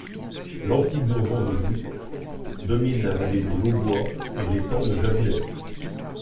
L’antique Donjon de Jouy, domine la vallée de l’Aubois et l’étang de Javoulet.